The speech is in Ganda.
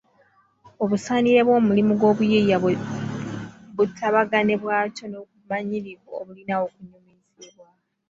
Obusaanire bw’omulimu gw’obuyiiya bwe butabagane bwakyo n’obumanyirivu obulina okunyumizibwa